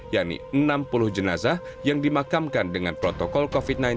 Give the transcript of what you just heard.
yakni enam puluh jenazah yang dimakamkan dengan protokol covid sembilan belas